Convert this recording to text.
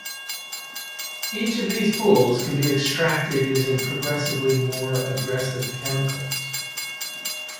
Each of these pools can be extracted using progressively more aggressive chemicals.